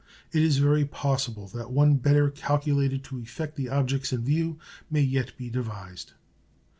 It is very possible that one better calculated to effect the objects in view may yet be devised.